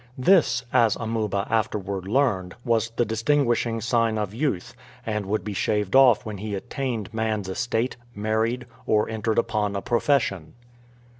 This, as Amuba afterward learned, was the distinguishing sign of youth, and would be shaved off when he attained man's estate, married, or entered upon a profession.